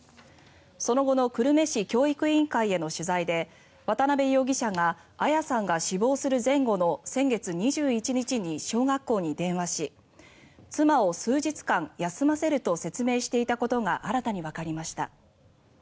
その後の久留米市教育委員会への取材で渡邉容疑者が彩さんが死亡する前後の先月２１日に小学校に電話し妻を数日間休ませると説明していたことが新たにわかりました。